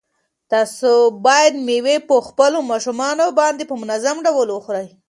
تاسو باید مېوې په خپلو ماشومانو باندې په منظم ډول وخورئ.